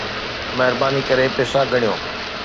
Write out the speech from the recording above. مھرباني ڪري پئسا ڳڻيو